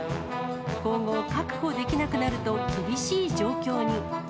今後、確保できなくなると厳しい状況に。